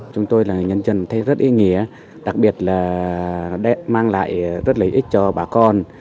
chúng tôi là nhân dân thấy rất ý nghĩa đặc biệt là mang lại rất lợi ích cho bà con